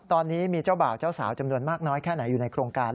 ตอนนี้มีเจ้าบ่าวเจ้าสาวจำนวนมากน้อยแค่ไหนอยู่ในโครงการ